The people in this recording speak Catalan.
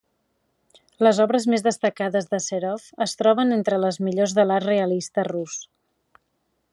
Les obres més destacades de Serov es troben entre les millors de l'art realista rus.